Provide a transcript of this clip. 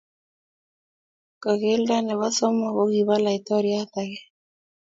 Kogelda nebo somok kogibo laitoriat age